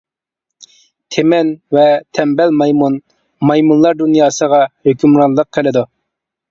تىمەن ۋە تەمبەل مايمۇن مايمۇنلار دۇنياسىغا ھۆكۈمرانلىق قىلىدۇ.